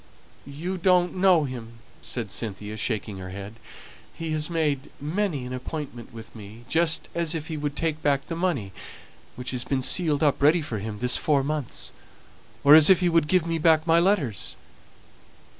"You don't know him," said Cynthia, shaking her head. "He has made many an appointment with me, just as if he would take back the money which has been sealed up ready for him this four months; or as if he would give me back my letters.